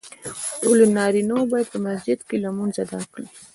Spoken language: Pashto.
ټولو نارینه باید په مسجد کې لمونځ ادا کړي .